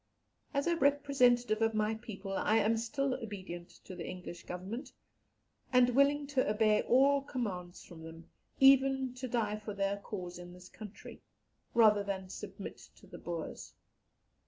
As a representative of my people, I am still obedient to the English Government, and willing to obey all commands from them, even to die for their cause in this country, rather than submit to the Boers.